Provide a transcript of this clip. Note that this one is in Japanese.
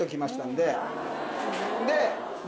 で。